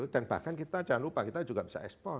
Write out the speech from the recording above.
dan bahkan kita jangan lupa kita juga bisa ekspor